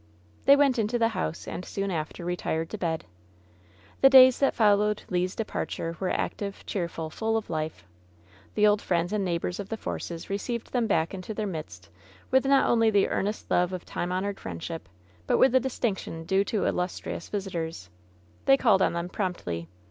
They went into the house and soon after retired to bed. The days that followed Le's departure were active, cheerful, full of life. The old friends and neighbors of the Forces received them back into their midst with not only the earnest 158 LOVE'S BITTEREST CUP love of time honored f riendship, but with the distinction due to illustrious visitors. They called on them promptly.